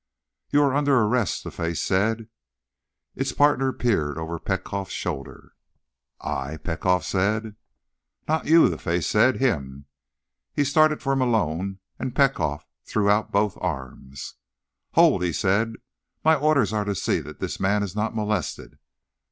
"You are under arrest," the face said. Its partner peered over Petkoff's shoulder. "I?" Petkoff said. "Not you," the face said. "Him." He started for Malone and Petkoff threw out both arms. "Hold!" he said. "My orders are to see that this man is not molested."